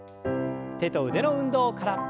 手と腕の運動から。